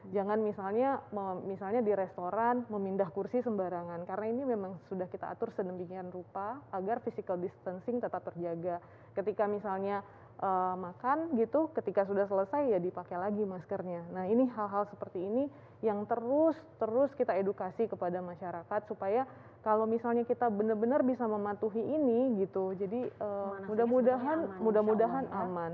jangan misalnya di restoran memindah kursi sembarangan karena ini memang sudah kita atur sedemikian rupa agar physical distancing tetap terjaga ketika misalnya makan gitu ketika sudah selesai ya dipakai lagi maskernya nah ini hal hal seperti ini yang terus terus kita edukasi kepada masyarakat supaya kalau misalnya kita benar benar bisa mematuhi ini gitu jadi mudah mudahan aman